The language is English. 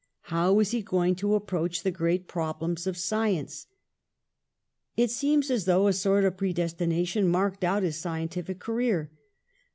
How was he going to approach the great problems of science? It seems as though a sort of predestination marked out his scientific career.